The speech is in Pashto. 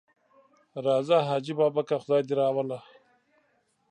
راځه حاجي بابکه خدای دې راوله.